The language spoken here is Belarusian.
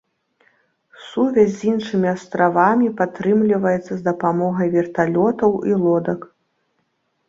Сувязь з іншымі астравамі падтрымліваецца з дапамогай верталётаў і лодак.